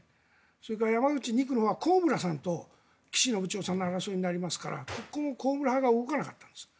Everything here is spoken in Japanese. それから山口２区は高村さんと岸信千世さんの争いになりますからここも高村派が動かなかった。